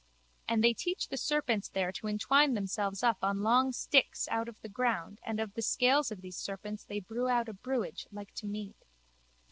And they teach the serpents there to entwine themselves up on long sticks out of the ground and of the scales of these serpents they brew out a brewage like to mead.